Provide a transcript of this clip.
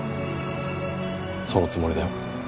そのつもりだよ。